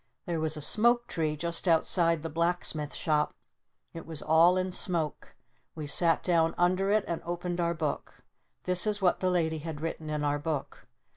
There was a Smoke Tree just outside the Blacksmith Shop. It was all in smoke. We sat down under it and opened our book. This is what the Lady had written in our book.